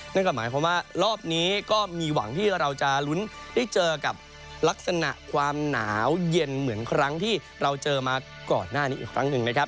นั่นก็หมายความว่ารอบนี้ก็มีหวังที่เราจะลุ้นได้เจอกับลักษณะความหนาวเย็นเหมือนครั้งที่เราเจอมาก่อนหน้านี้อีกครั้งหนึ่งนะครับ